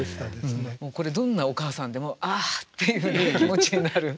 もうこれどんなお母さんでも「あぁ」っていう気持ちになる。